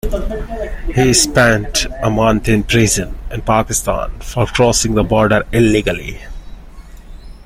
He spent a month in prison in Pakistan for crossing the border illegally.